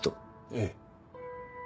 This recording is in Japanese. ええ。